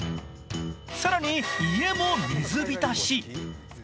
更に家も水浸し。